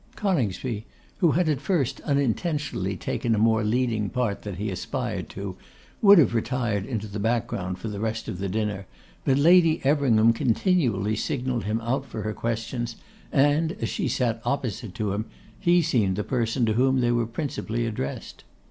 Coningsby, who had at first unintentionally taken a more leading part than he aspired to, would have retired into the background for the rest of the dinner, but Lady Everingham continually signalled him out for her questions, and as she sat opposite to him, he seemed the person to whom they were principally addressed.